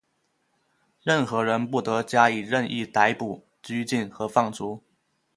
任何人不得加以任意逮捕、拘禁或放逐。